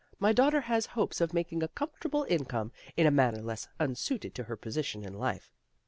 My daughter has hopes of making a comfortable income hi a manner less unsuited to her position in life."